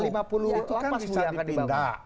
itu kan bisa dipindah